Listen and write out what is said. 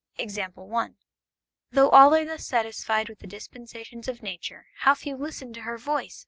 (Compare Rule XXXI.) Though all are thus satisfied with the dispensations of Nature, how few listen to her voice!